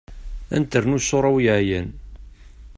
Ad n-ternu ṣṣura-w yeεyan.